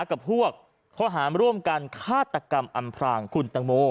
กับพวกข้อหารร่วมกันฆาตกรรมอำพรางคุณตังโม